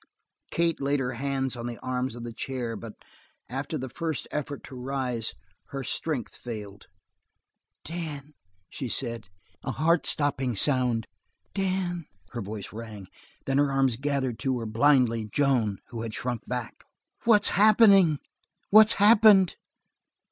Kate laid her hands on the arms of the chair, but after the first effort to rise, her strength failed. "Dan!" she said. It was only a whisper, a heart stopping sound. "Dan!" Her voice rang, then her arms gathered to her, blindly, Joan, who had shrunk back. "What's happened?"